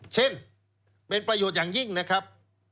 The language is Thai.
เช่นเป็นประโยชน์อย่างยิ่งนะครับ